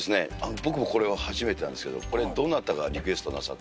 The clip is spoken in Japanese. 僕もこれは初めてなんですけど、これ、どなたがリクエストなさっ